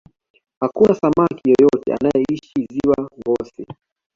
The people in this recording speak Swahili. hakuna samaki yeyote anayeishi ziwa ngosi